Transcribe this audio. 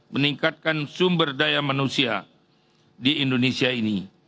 meningkatkan sumber daya manusia di indonesia ini